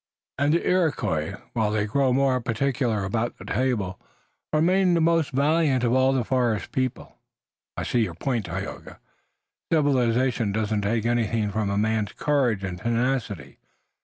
"And the Iroquois, while they grow more particular about the table, remain the most valiant of all the forest people. I see your point, Tayoga. Civilization doesn't take anything from a man's courage and tenacity.